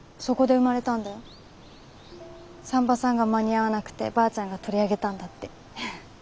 産婆さんが間に合わなくてばあちゃんが取り上げたんだって。